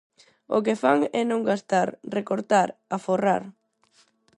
O que fan é non gastar, recortar, aforrar.